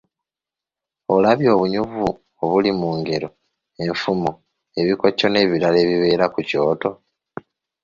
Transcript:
Olabye obunyuvu obuli mu ngero, enfumo, ebikokyo nebirala ebibeera ku kyoto?